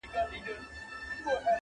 بيزو وان چي سو پناه د دېوال شا ته!.